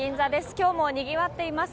今日も賑わっています。